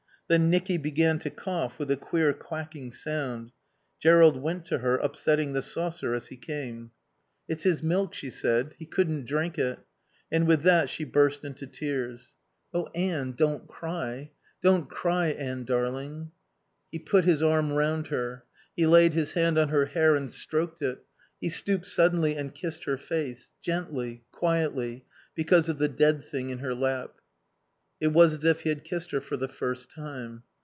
Then Nicky began to cough with a queer quacking sound. Jerrold went to her, upsetting the saucer as he came. "It's his milk," she said. "He couldn't drink it." And with that she burst into tears. "Oh, Anne, don't cry. Don't cry, Anne darling." He put his arm round her. He laid his hand on her hair and stroked it. He stooped suddenly and kissed her face; gently, quietly, because of the dead thing in her lap. It was as if he had kissed her for the first time.